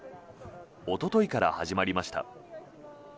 おとといから始まりました。